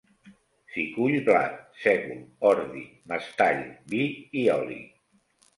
S'hi cull blat, sègol, ordi, mestall, vi i oli.